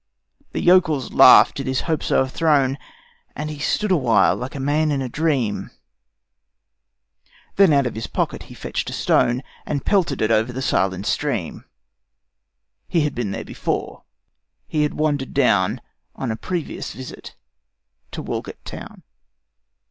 The yokels laughed at his hopes o'erthrown, And he stood awhile like a man in a dream; Then out of his pocket he fetched a stone, And pelted it over the silent stream He had been there before: he had wandered down On a previous visit to Walgett town.